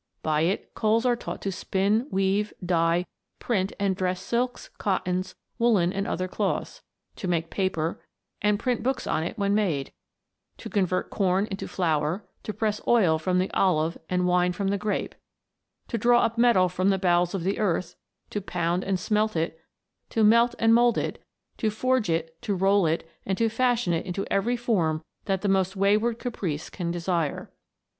By it coals are taught to spin, weave, dye, print, and dress silks, cottons, woollen and other cloths ; to make paper, and print books on it when made ; to con vert corn into flour ; to press oil from the olive and wine from the grape ; to draw up metal from the bowels of the earth ; to pound and smelt it, to melt and mould it, to forge it, to roll it, and to fashion it into every form that the most wayward caprice can desire.